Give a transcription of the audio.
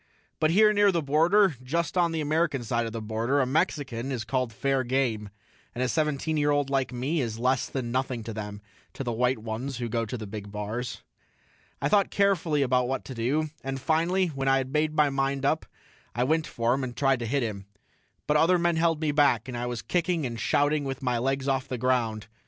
But here near the border, just on the American side of the border, a Mexican is called fair game, and a seventeen year old like me is less than nothing to them, to the white ones who go to the big bars. I thought carefully about what to do, and finally when I had made my mind up I went for him and tried to hit him. But other men held me back, and I was kicking and shouting with my legs off the ground.